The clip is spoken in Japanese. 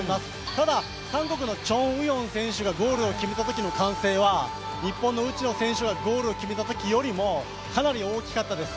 ただ、韓国のチョン・ウヨン選手がゴールを決めたときの歓声は日本の内野選手がゴールを決めたときよりも、かなり大きかったです。